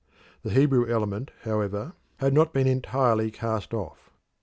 The Hebrew element, however, had not been entirely cast off.